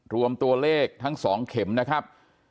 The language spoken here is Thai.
รวมตัวเลขทั้ง๒เข็มนะครับ